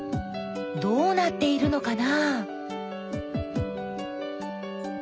どうなっているのかな？